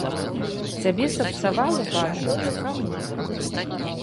Цябе сапсавала, бачу я, камуна.